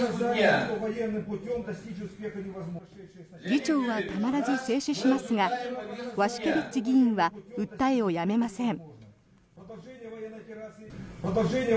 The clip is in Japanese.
議長はたまらず制止しますがワシュケビッチ議員は訴えをやめません。